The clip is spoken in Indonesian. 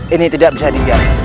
ini tidak bisa dibiarkan